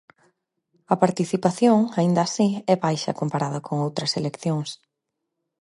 A participación, aínda así, é baixa comparada con outras eleccións.